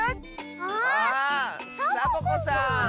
あサボ子さん。